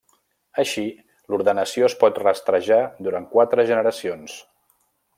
Així, l'ordenació es pot rastrejar durant quatre generacions.